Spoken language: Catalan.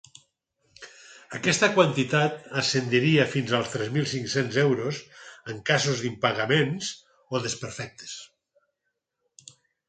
Aquesta quantitat ascendiria fins als tres mil cinc-cents euros en casos d’impagaments o desperfectes.